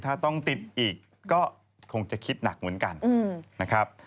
ถ้าต้องติดอีกก็คงจะคิดหนักเหมือนกันนะครับ